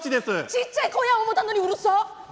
ちっちゃい声や思たのにうるさ。